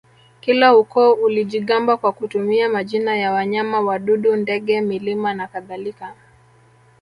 Kila ukoo ulijigamba kwa kutumia majina ya wanyama wadudu ndege milima na kadhalika